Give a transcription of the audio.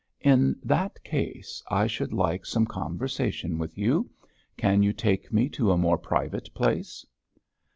'In that case I should like some conversation with you. Can you take me to a more private place?'